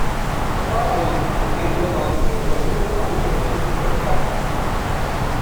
Rarament, en nens la malaltia debuta amb un vessament pericàrdic.